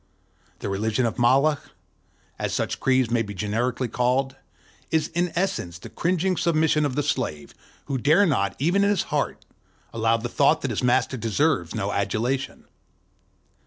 The religion of Moloch—as such creeds may be generically called—is in essence the cringing submission of the slave, who dare not, even in his heart, allow the thought that his master deserves no adulation.